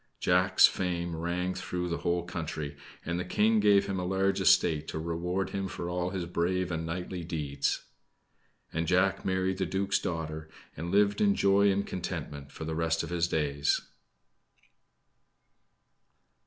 Jack's fame rang through the whole country, and the King gave him a large estate to reward him for all his brave and knightly deeds. And Jack married the duke's daughter, and lived in joy and contentment for the rest of his days.